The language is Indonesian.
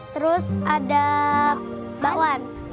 terus ada bakwan